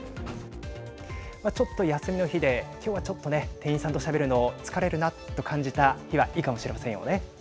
ちょっと休みの日できょうはちょっとね店員さんとしゃべるの疲れるなと感じた日はいいかもしれませんよね。